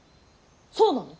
そうなの？